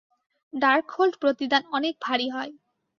Darkhold প্রতিদান অনেক ভারী হয়।